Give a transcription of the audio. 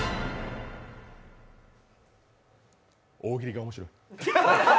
大喜利が面白い。